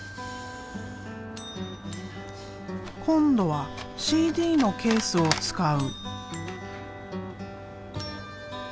今度はＣＤのケースを使う。